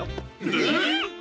えっ！？